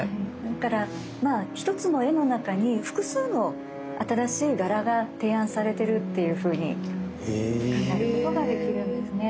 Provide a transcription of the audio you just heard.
だから一つの絵の中に複数の新しい柄が提案されてるっていうふうに考えることができるんですね。